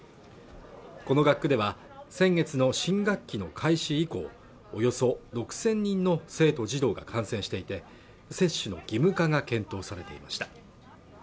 この学区では先月の新学期の開始以降およそ６０００人の生徒児童が感染していて接種の義務化が検討されていました